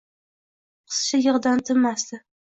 Qizcha yig'idan tinmasdi.